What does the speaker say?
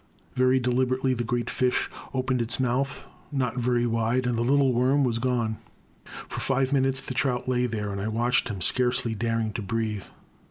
Very deliberately the great fish opened his mouth — ^not very wide — ^and the little worm was gone. For five minutes the trout lay there, and I watched him, scarcely daring to breathe.